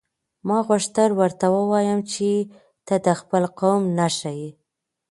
ما غوښتل ورته ووایم چې ته د خپل قوم نښه یې.